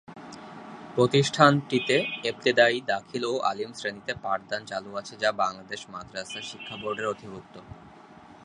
প্রতিষ্ঠানটিতে ইবতেদায়ী, দাখিল ও আলিম শ্রেণীতে পাঠদান চালু আছে যা বাংলাদেশ মাদ্রাসা শিক্ষা বোর্ডের অধিভুক্ত।